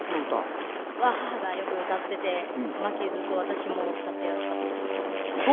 母がよく歌ってて負けずと私も歌ってやろうかと。